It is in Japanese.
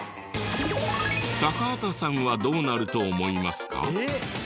高畑さんはどうなると思いますか？